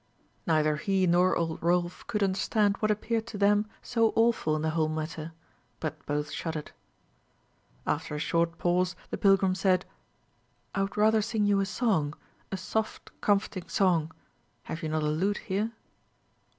Neither he nor old Rolf could understand what appeared to them so awful in the whole matter; but both shuddered. After a short pause the pilgrim said, "I would rather sing you a song a soft, comforting song. Have you not a lute here?"